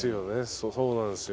そうなんですよ。